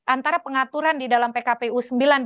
antara pengaturan di dalam pkpu sembilan dua ribu dua puluh